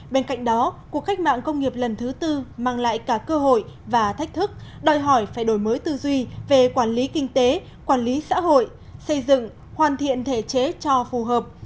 bên cạnh đó cuộc cách mạng công nghiệp lần thứ tư mang lại cả cơ hội và thách thức đòi hỏi phải đổi mới tư duy về quản lý kinh tế quản lý xã hội xây dựng hoàn thiện thể chế cho phù hợp